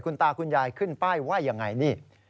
คุณตาคุณยายขึ้นไปว่าอย่างไร